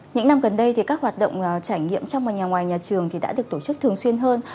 những năm gần đây thì các hoạt động trải nghiệm trong và ngoài nhà trường đã được tổ chức thường xuyên hơn